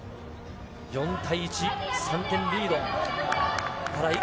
４対１、３点リード。